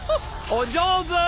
お上手！